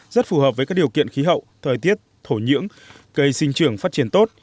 rất phù hợp với các điều kiện khí hậu thời tiết thổ nhưỡng cây sinh trưởng phát triển tốt